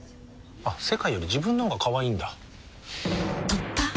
あっ世界より自分のほうがかわいいんだ。